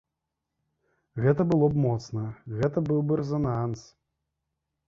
Гэта было б моцна, гэта быў бы рэзананс!